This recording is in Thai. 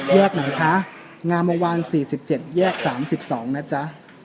แยกไหนค่ะงามบรรย์วาลสี่สิบเจ็ดแยกสามสิบสองนะจ๊ะ